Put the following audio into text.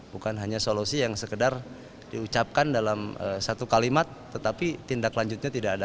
bukan hanya solusi yang sekedar diucapkan dalam satu kalimat tetapi tindak lanjutnya tidak ada